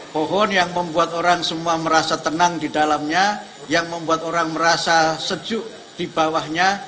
pohon yang membuat orang semua merasa tenang di dalamnya yang membuat orang merasa sejuk di bawahnya